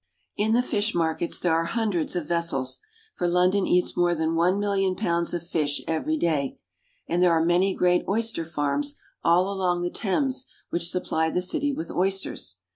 In the fish markets there are hundreds of vessels, for London eats more than oue million pounds of fish every day; and there are many great oyster farms all along the Thames which supply the city with oysters.